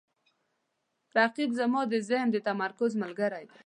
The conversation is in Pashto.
رقیب زما د ذهن د تمرکز ملګری دی